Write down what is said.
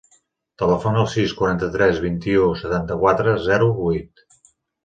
Telefona al sis, quaranta-tres, vint-i-u, setanta-quatre, zero, vuit.